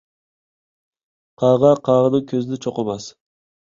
قاغا قاغىنىڭ كۆزىنى چوقۇماس.